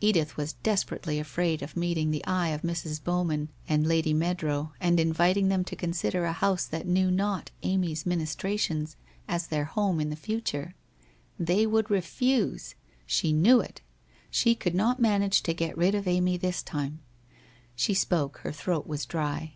Edith was desperately afraid of meeting the eye of Mrs. Bowman and Lady Meadrow and inviting them to consider a house that knew not Amy's ministrations as their home in the future. They would refuse. She knew it. She could not manage to get rid of Amy this time. She spoke, her throat was dry.